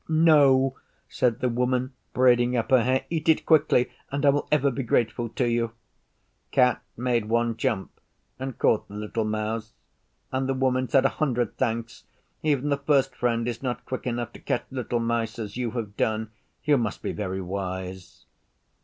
'No,' said the Woman, braiding up her hair, 'eat it quickly and I will ever be grateful to you.' Cat made one jump and caught the little mouse, and the Woman said, 'A hundred thanks. Even the First Friend is not quick enough to catch little mice as you have done. You must be very wise.